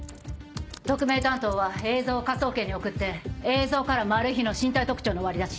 特命担当は映像を科捜研に送って映像からマル被の身体特徴の割り出し。